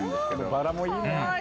バラもいいね。